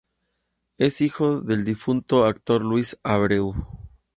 Es hijo del difunto actor Luis Abreu.